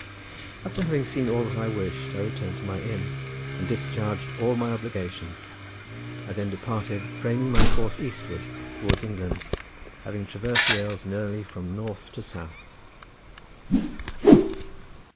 After having seen all that I wished I returned to my inn and discharged all my obligations. I then departed, framing my course eastward towards England, having traversed Wales nearly from north to south.